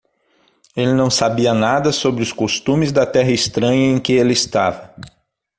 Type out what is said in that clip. Ele não sabia nada sobre os costumes da terra estranha em que ele estava.